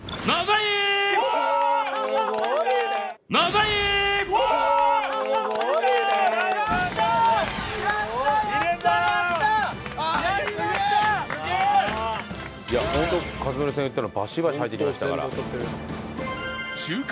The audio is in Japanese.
いやホント克典さん言ったのバシバシ入ってきましたから。